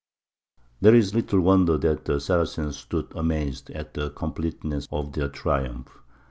There is little wonder that the Saracens stood amazed at the completeness of their triumph.